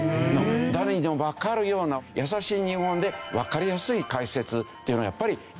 誰にでもわかるような易しい日本語でわかりやすい解説っていうのはやっぱり大事な事だなと。